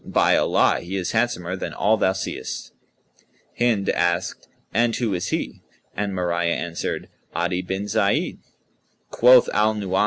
By Allah, he is handsomer than all thou seest!" Hind asked, "And who is he?" and Mariyah answered, "Adi bin Zayd."